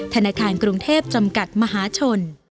ธนาคารกรุงเทพจำกัดมหาชน